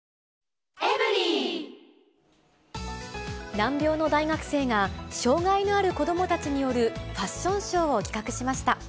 難病の大学生が、障がいのある子どもたちによるファッションショーを企画しました。